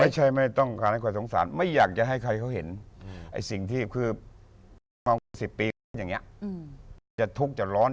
ไม่ใช่ไม่ต้องการให้ใครสงสารไม่อยากจะให้ใครเขาเห็นไอ้สิ่งที่คือมากกว่าสิบปีอย่างเนี่ยจะทุกข์จะร้อนจะอะไร